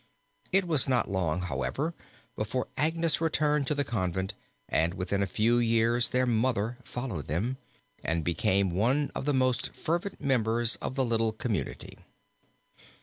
It was not long, however, before Agnes returned to the convent and within a few years their mother followed them, and became one of the most fervent members of the little community.